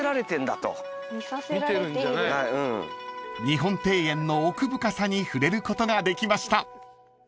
［日本庭園の奥深さに触れることができました］